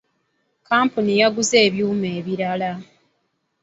Kkampuni yaguze ebyuma ebirala.